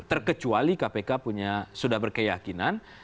terkecuali kpk sudah berkeyakinan